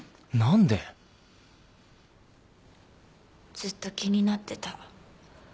ずっと気になってた。